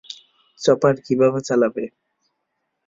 Chopper কীভাবে চালাবে?